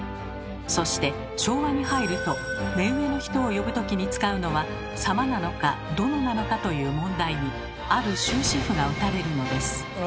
そして昭和に入ると目上の人を呼ぶときに使うのは「様」なのか「殿」なのかという問題にある終止符が打たれるのです。